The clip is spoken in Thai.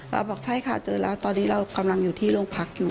เราบอกใช่ค่ะเจอแล้วตอนนี้เรากำลังอยู่ที่โรงพักอยู่